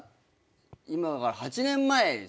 今から８年前ですね